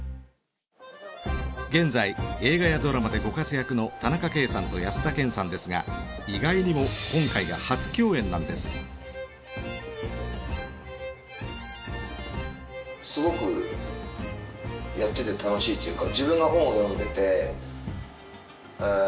現在映画やドラマでご活躍の田中圭さんと安田顕さんですが意外にも今回が初共演なんです。なんていうんですかね。